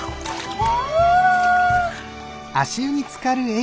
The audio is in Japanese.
あ。